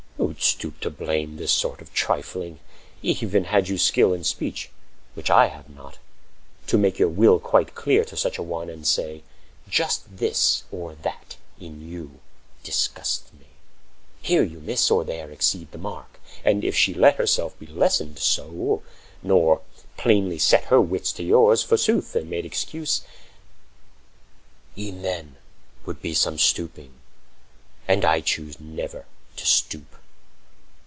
Who'd stoop to blame This sort of trifling? Even had you skill35 In speech—(which I have not)—to make your will Quite clear to such an one, and say, "Just this Or that in you disgusts me; here you miss, Or there exceed the mark"—and if she let Herself be lessoned so, nor plainly set40 Her wits to yours, forsooth, and made excuse, —E'en then would be some stooping; and I choose Never to stoop.